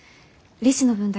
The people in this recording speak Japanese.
利子の分だけでも。